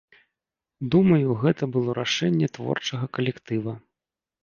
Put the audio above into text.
Думаю, гэта было рашэнне творчага калектыва.